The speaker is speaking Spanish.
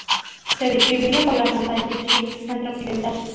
Se distribuye por las montañas de China centro occidental.